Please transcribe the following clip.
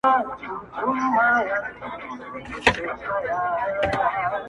د باز له ځالي باز پاڅېږي.